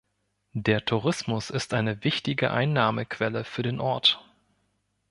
Der Tourismus ist eine wichtige Einnahmequelle für den Ort.